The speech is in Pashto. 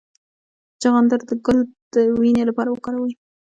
د چغندر ګل د وینې لپاره وکاروئ